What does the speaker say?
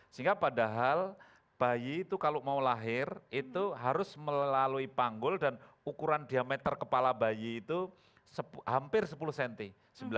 sehingga padahal bayi itu kalau mau lahir itu harus melalui panggul dan ukuran diameter kepala bayi itu hampir sepuluh cm